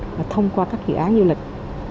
và thông qua các dự án du lịch